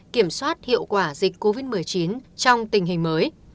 kiểm soát hiệu quả dịch covid một mươi chín trong tình hình mới